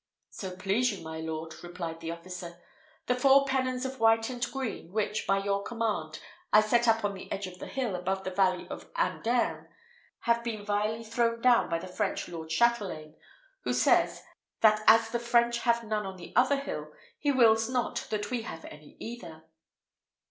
"So please you, my lord," replied the officer, "the four pennons of white and green, which, by your command, I set up on the edge of the hill, above the valley of Andern, have been vilely thrown down by the French lord châtelaine, who says, that as the French have none on the other hill, he wills not that we have any either."